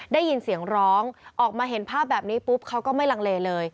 ได้ยินเสียงร้องออกมาเห็นภาพแบบนี้ปุ๊บเขาก็ไม่ลังเลเลย